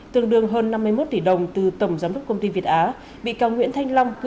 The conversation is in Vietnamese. tương đương hơn năm mươi một tỷ đồng từ tổng giám đốc công ty việt á